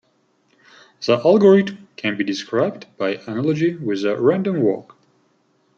The algorithm can be described by analogy with a random walk.